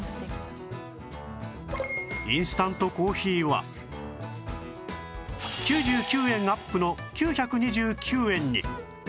インスタントコーヒーは９９円アップの９２９円に